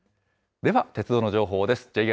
では、鉄道の情報です。